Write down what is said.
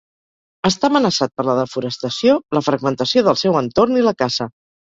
Està amenaçat per la desforestació, la fragmentació del seu entorn i la caça.